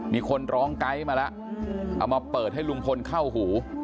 มีคนร้องไกด์มาแล้วเอามาเปิดให้ลุงพลเข้าหู